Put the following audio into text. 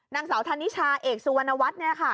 นางสาวธนิชาเอกสุวรรณวัฒน์เนี่ยค่ะ